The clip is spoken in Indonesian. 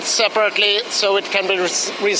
dan semuanya disortir secara berbeda